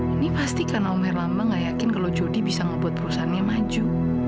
ini pasti karena omer lama nggak yakin kalau jodi bisa ngebuat perusahaannya maju